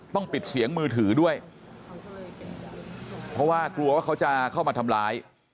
ต้องปิดเสียงมือถือด้วยเพราะว่ากลัวว่าเขาจะเข้ามาทำร้าย